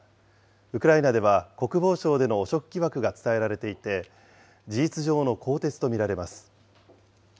ウクライナでは国防省での汚職疑惑が伝えられていて、事実上の更迭と見られます。